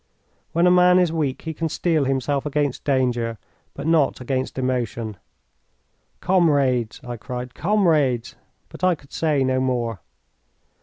When a man is weak he can steel himself against danger, but not against emotion. "Comrades," I cried, "comrades !" but I could say no more.